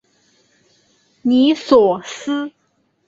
尼索斯。